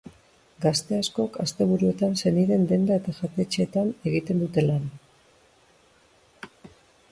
Gazte askok asteburuetan senideen denda eta jatetxetan egiten dute lan.